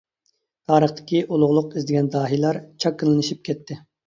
تارىختىكى ئۇلۇغلۇق ئىزدىگەن داھىيلار چاكىنىلىشىپ كەتتى.